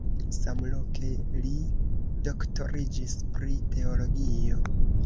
Samloke li doktoriĝis pri teologio.